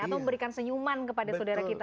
atau memberikan senyuman kepada saudara kita